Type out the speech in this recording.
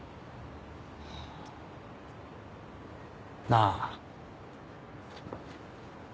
なあ。